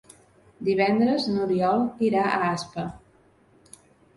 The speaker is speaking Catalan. Divendres n'Oriol irà a Aspa.